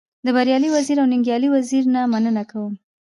د بريالي وزيري او ننګيالي وزيري نه مننه کوم.